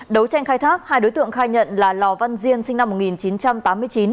đấu tranh khai thác hai đối tượng khai nhận là lò văn diên sinh năm một nghìn chín trăm tám mươi chín